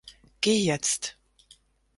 Geh jetzt!